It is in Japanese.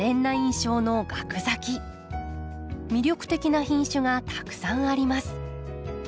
魅力的な品種がたくさんあります。